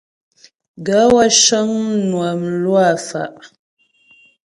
Gaə̂ wə́ cə́ŋ mnwə mlwâ fá'.